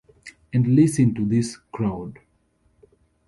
And listen to this crowd!